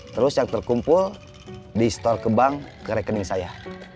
terus yang terkumpul di store ke bank ke rekening saya